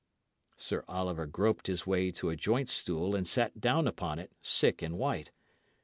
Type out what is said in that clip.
Sir Oliver groped his way to a joint stool, and sat down upon it, sick and white.